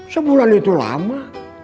sebulan itu lama